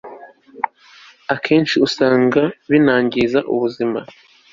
akenshi usanga binangiza ubuzima